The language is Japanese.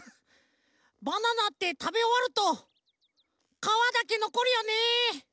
バナナってたべおわるとかわだけのこるよね！